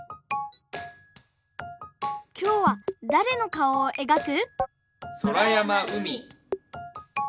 きょうはだれのかおをえがく？